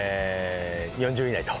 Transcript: ４０以内と。